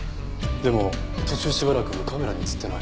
でも途中しばらくカメラに映ってない。